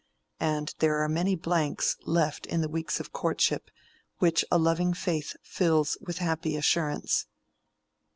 And there are many blanks left in the weeks of courtship which a loving faith fills with happy assurance.